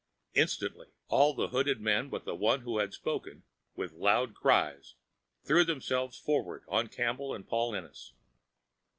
Instantly all the hooded men but the one who had spoken, with loud cries, threw themselves forward on Campbell and Paul Ennis.